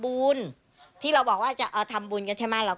ได้นำเรื่องราวมาแชร์ในโลกโซเชียลจึงเกิดเป็นประเด็นอีกครั้ง